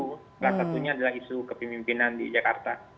salah satunya adalah isu kepemimpinan di jakarta